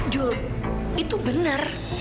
juli itu benar